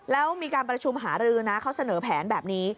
แล้วมีการประชุมหารือนะเขาเสนอแผนแบบนี้